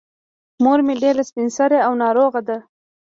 مور مې ډېره سبین سرې او ناروغه ده.